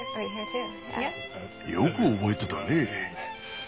よく覚えてたね。